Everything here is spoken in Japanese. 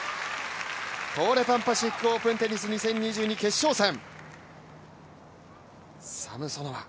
東レパンパシフィックオープンテニス２０２２決勝戦。